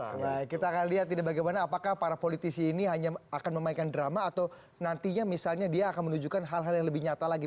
baik kita akan lihat ini bagaimana apakah para politisi ini hanya akan memainkan drama atau nantinya misalnya dia akan menunjukkan hal hal yang lebih nyata lagi